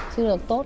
chưa được tốt